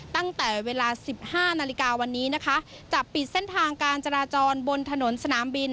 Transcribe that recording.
ตั้งแต่เวลาสิบห้านาฬิกาวันนี้นะคะจะปิดเส้นทางการจราจรบนถนนสนามบิน